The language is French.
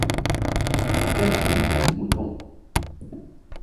Quel joli petit mouton!